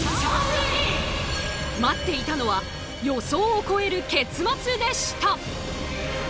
待っていたのは予想を超える結末でした！